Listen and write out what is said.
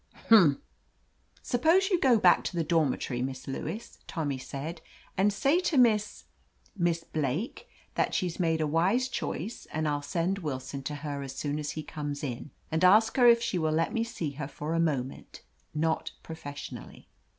"Humph r "Suppose you go back to the dormitory. Miss Lewis," Tommy said, "and say to Miss — Miss Blake that she's made a wise choice, and I'll send Willson to her as soon as he comes in. And ask her if she will let me see her for a moment, not professionally."